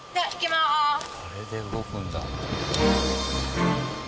あれで動くんだ。